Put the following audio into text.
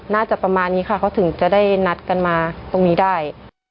น่าจะประมาณนี้ค่ะเขาถึงจะได้นัดกันมาตรงนี้ได้